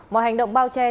mọi hành động bao trang